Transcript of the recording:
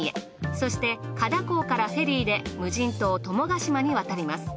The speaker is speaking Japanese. そして加太港からフェリーで無人島友ヶ島に渡ります。